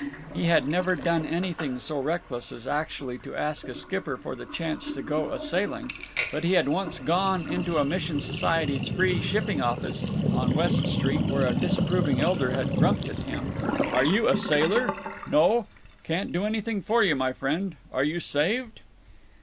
He had never done anything so reckless as actually to ask a skipper for the chance to go a sailing, but he had once gone into a mission society's free shipping office on West Street where a disapproving elder had grumped at him, "Are you a sailor? No? Can't do anything for you, my friend. Are you saved?"